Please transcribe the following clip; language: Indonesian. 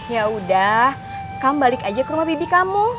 yaudah kamu balik aja ke rumah debbie kamu